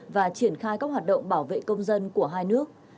và triển khai các hoạt động bảo vệ công dân của hai nước